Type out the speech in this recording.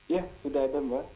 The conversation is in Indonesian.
ya sudah ada mbak